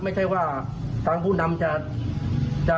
ไม่ใช่ว่าทางผู้นำจะ